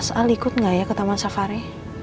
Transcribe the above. kira kira mas al ikut gak ya ke taman safari